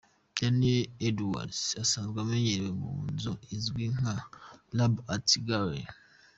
Daniel Edwards asanzwe amenyerewe mu nzu izwi nka “Lab Art Gallery”.